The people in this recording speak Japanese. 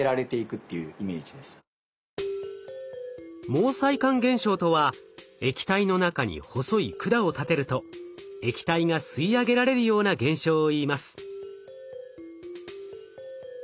毛細管現象とは液体の中に細い管を立てると液体が吸い上げられるような現象をいいます。